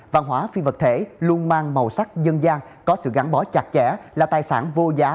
văn hóa phi vật thể luôn mang màu sắc dân gian có sự gắn bó chặt chẽ là tài sản vô giá